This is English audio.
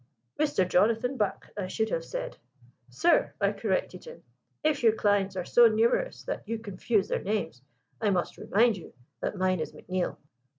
'Mr. Jonathan Buck, I should have said.' 'Sir,' I corrected him, 'if your clients are so numerous that you confuse their names, I must remind you that mine is McNeill.'